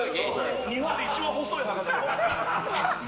日本で一番細い墓だろ？